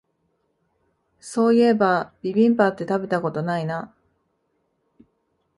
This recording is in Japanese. そういえばビビンバって食べたことないな